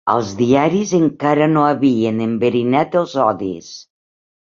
Els diaris encara no havien enverinat els odis